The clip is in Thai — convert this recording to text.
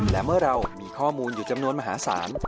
และเมื่อเรามีข้อมูลอยู่จำนวนมหาศาล